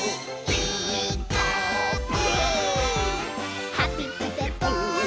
「ピーカーブ！」